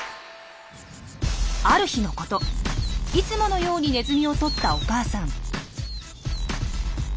ある日のこといつものようにネズミをとったお母さん。